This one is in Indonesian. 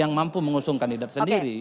yang mampu mengusung kandidat sendiri